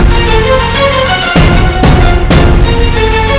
untuk menangkap aku